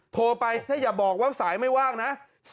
โทรไปถ้าอย่าบอกว่าสายไม่ว่างนะ